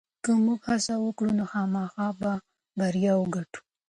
که موږ هڅه وکړو نو خامخا به بریا وګټو.